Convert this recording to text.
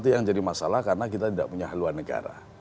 itu yang jadi masalah karena kita tidak punya haluan negara